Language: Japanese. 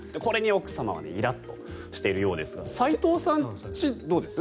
これに奥様はイラッとしているようですが斎藤さんの家はどうですか？